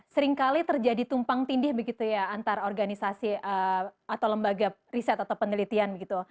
seringkali terjadi tumpang tindih begitu ya antar organisasi atau lembaga riset atau penelitian begitu